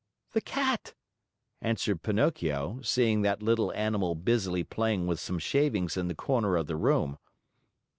"The cat," answered Pinocchio, seeing that little animal busily playing with some shavings in the corner of the room.